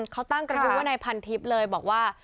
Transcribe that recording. เขาตั้งกระทู้ว่านายพันทิพย์เลยบอกว่า